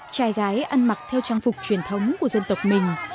trai gái ăn mặc theo trang phục truyền thống của dân tộc mình